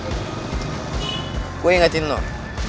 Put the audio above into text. kalau lo sekali lagi datang ke rumah gue